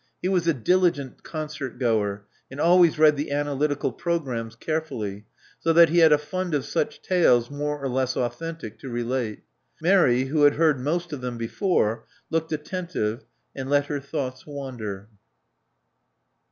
He was a diligent concert goer, and always read the analytical programmes carefully, so that he had a fund of such tales, more or less authentic, to relate. Mary, who had heard most of them before, looked attentive and let her thoughts wander.